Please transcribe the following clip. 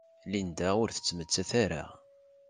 Linda ur tettmettat ara.